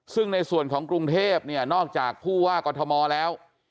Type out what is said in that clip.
ซึ่งในส่วนของกรุงเทพเนี่ยนอกจากผู้ว่ากอทมแล้ว